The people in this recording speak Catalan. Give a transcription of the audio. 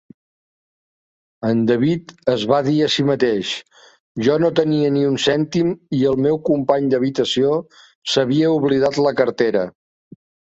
El David es va dir a si mateix: "Jo no tenia ni un cèntim i el meu company d'habitació s'havia oblidat la cartera".